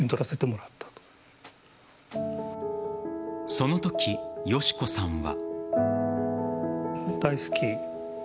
そのとき、敏子さんは。